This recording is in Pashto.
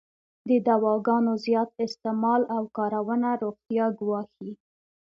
د دواګانو زیات استعمال او کارونه روغتیا ګواښی.